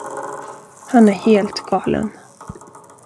Han är helt galen.